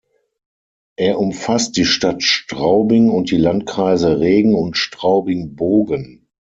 Er umfasst die Stadt Straubing und die Landkreise Regen und Straubing-Bogen.